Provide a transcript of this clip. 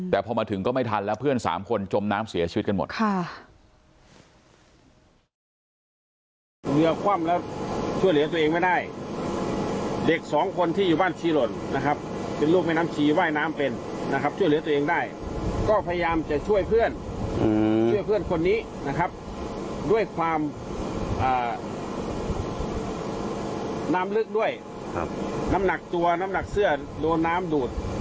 แต่พอมาถึงก็ไม่ทันแล้วเพื่อน๓คนจมน้ำเสียชีวิตกันหมด